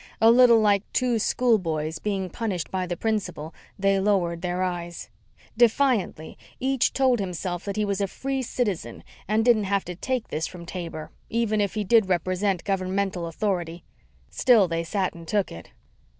A little like two schoolboys being punished by the principal, they lowered their eyes. Defiantly, each told himself that he was a free citizen and didn't have to take this from Taber, even if he did represent governmental authority. Still, they sat and took it.